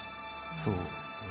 そうですね。